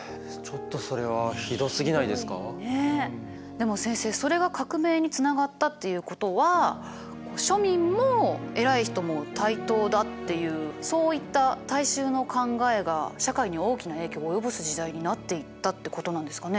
でも先生それが革命につながったっていうことは庶民も偉い人も対等だっていうそういった大衆の考えが社会に大きな影響を及ぼす時代になっていったってことなんですかね？